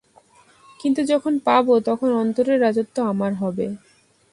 কিন্তু যখন পাব তখন অন্তরের রাজত্ব আমার হবে।